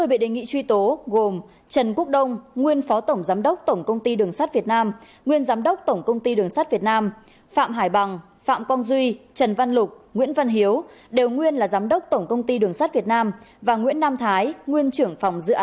sáu bị can này bị truy tố về tội lợi dụng chức vụ quyền hạn trong khi thi hành công vụ